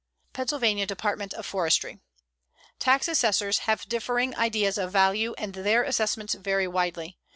PENNSYLVANIA DEPARTMENT OF FORESTRY: Tax assessors have differing ideas of value and their assessments vary widely.